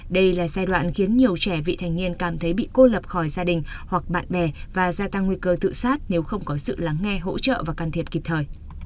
đây là giai đoạn khiến nhiều trẻ vị thành niên cảm thấy bị cô lập khỏi gia đình hoặc bạn bè và gia tăng nguy cơ tự sát nếu không có sự lắng nghe hỗ trợ và can thiệp kịp thời